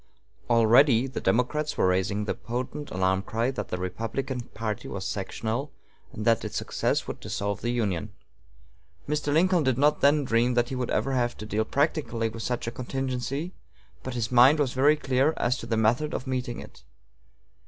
Already the Democrats were raising the potent alarm cry that the Republican party was sectional, and that its success would dissolve the Union. Mr. Lincoln did not then dream that he would ever have to deal practically with such a contingency, but his mind was very clear as to the method of meeting it.